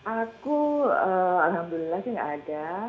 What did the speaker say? aku alhamdulillah sih gak ada